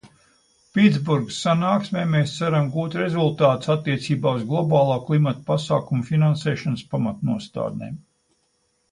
Pitsburgas sanāksmē mēs ceram gūt rezultātus attiecībā uz globālo klimata pasākumu finansēšanas pamatnostādnēm.